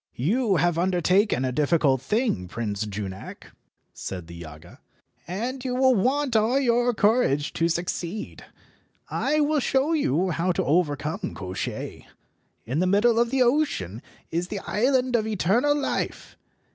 "You have undertaken a difficult thing, Prince Junak," said the Yaga, "and you will want all your courage to succeed. I will show you how to overcome Koshchei. In the middle of the ocean is the island of eternal life.